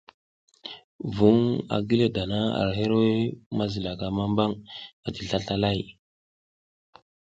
Vuŋ a gi le dana ar hirwuy ma zilaka mambang ati slaslalay.